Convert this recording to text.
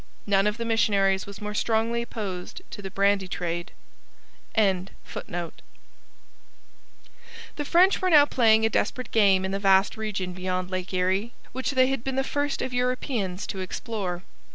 None of the missionaries was more strongly opposed to the brandy trade.] The French were now playing a desperate game in the vast region beyond Lake Erie, which they had been the first of Europeans to explore.